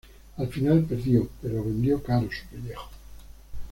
Al final perdió pero vendió caro su pellejo